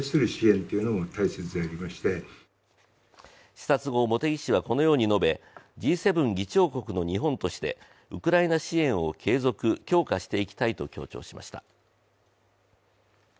視察後、茂木氏はこのように述べＧ７議長国の日本としてウクライナ支援を継続、強化していきたいと強調しました。